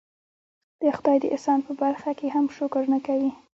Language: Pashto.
د خدای د احسان په برخه کې هم شکر نه کوي.